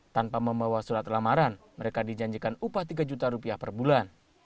tanpa membawa surat lamaran mereka dijanjikan upah tiga juta rupiah per bulan